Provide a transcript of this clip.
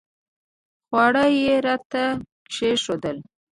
خواړه یې راته کښېښودل.